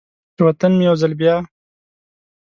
چې و طن مې یو ځل بیا،